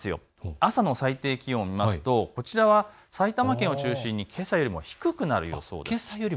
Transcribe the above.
朝の最低気温を見ますとこちらは埼玉県を中心にけさより低くなる予想です。